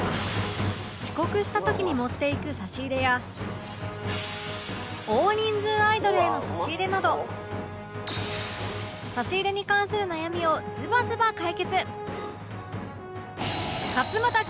遅刻した時に持っていく差し入れや大人数アイドルへの差し入れなど差し入れに関する悩みをズバズバ解決！